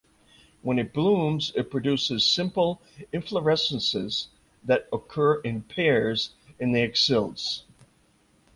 When it blooms it produces simple inflorescences that occur in pairs in the axils.